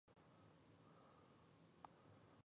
اوږده غرونه د افغان کلتور په داستانونو کې راځي.